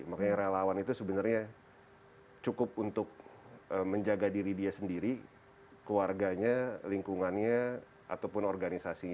makanya relawan itu sebenarnya cukup untuk menjaga diri dia sendiri keluarganya lingkungannya ataupun organisasinya